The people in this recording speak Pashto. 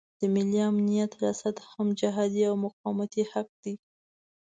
د ملي امنیت ریاست هم جهادي او مقاومتي حق دی.